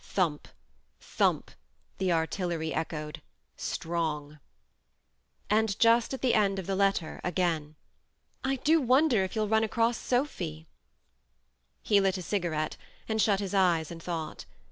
... (Thump, thump, the artillery echoed :" Strong !") And just at the end of the letter, again ; THE MARNE 113 "I do wonder if you'll run across Sophy. ..." He lit a cigarette, and shut his eyes and thought.